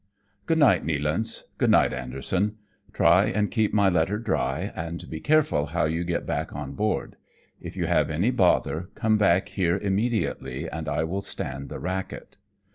" GooD NiGHTj Nealance ; good night, Anderson, Try and keep my letter dry, and be careful how you get back on board ; if you have any bother come back here immediately, and I will stand the racket."